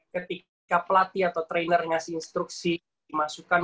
ketika pelatih atau trainer ngasih instruksi di masukan